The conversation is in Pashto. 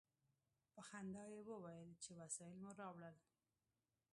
په خندا یې وویل چې وسایل مو راوړل.